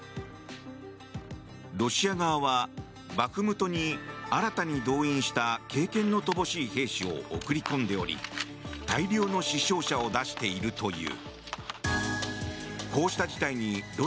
ロシア側は、バフムトに新たに動員した経験の乏しい兵士を送り込んでおり大量の死傷者を出しているという。